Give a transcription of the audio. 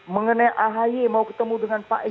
mengenai ahy mau ketemu dengan pak sb